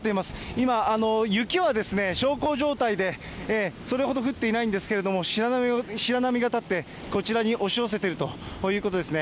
今、雪は小康状態で、それほど降っていないんですけれども、白波が立って、こちらに押し寄せているということですね。